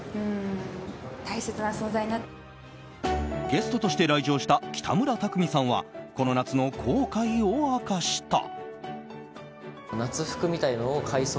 ゲストとして来場した北村匠海さんはこの夏の後悔を明かした。